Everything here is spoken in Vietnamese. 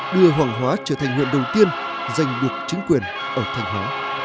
đưa hoàng hóa trở thành huyện đầu tiên giành được chính quyền ở thanh hóa